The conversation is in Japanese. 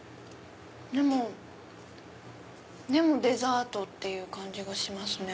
でもデザートっていう感じがしますね。